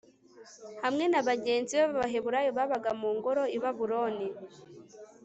hamwe na bagenzi be b'abaheburayo babaga mu ngoro i babuloni. .